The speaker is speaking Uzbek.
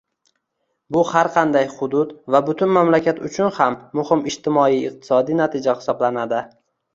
Bu har qanday hudud va butun mamlakat uchun ham muhim ijtimoiy-iqtisodiy natija hisoblanadi.